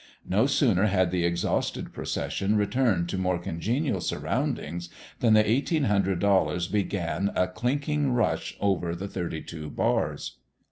No sooner had the exhausted procession returned to more congenial surroundings than the eight een hundred dollars began a clinking rush over the thirty two bars.